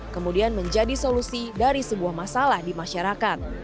kemudian menjadi solusi dari sebuah masalah di masyarakat